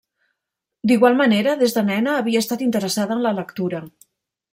D'igual manera des de nena havia estat interessada en la lectura.